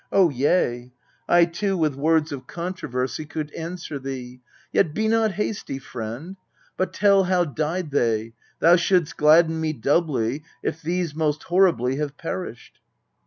Oh, yea ; I too with words of controversy 280 EUR 1 TIDES Could answer thee yet be not hasty, friend, But tell how died they : thou shouldst gladden me Doubly, if these most horribly have perished.